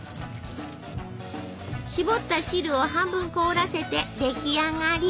しぼった汁を半分凍らせて出来上がり！